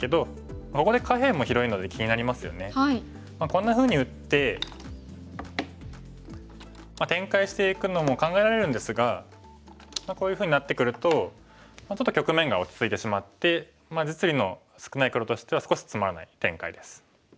こんなふうに打って展開していくのも考えられるんですがこういうふうになってくるとちょっと局面が落ち着いてしまって実利の少ない黒としては少しつまらない展開です。